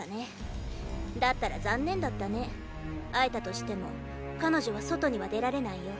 だったら残念だったね会えたとしても彼女は外には出られないよ。